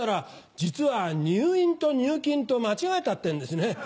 「実は入院と入金と間違えた」ってんですね。